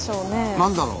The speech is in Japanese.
何だろう？